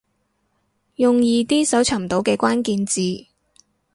用易啲搜尋到嘅關鍵字